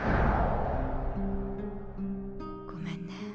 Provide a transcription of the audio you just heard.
ごめんね。